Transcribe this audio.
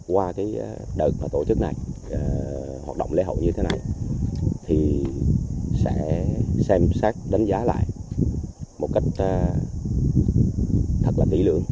qua đợt tổ chức này hoạt động lễ hội như thế này sẽ xem xác đánh giá lại một cách thật là tỷ lượng